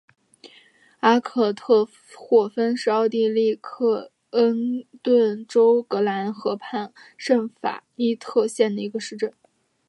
阿尔特霍芬是奥地利克恩顿州格兰河畔圣法伊特县的一个市镇。